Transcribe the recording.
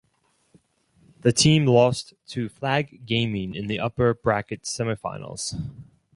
The team lost to Flag Gaming in the upper bracket semifinals.